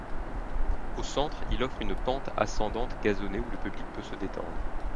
Au centre, il offre une pente ascendante gazonnée où le public peut se détendre.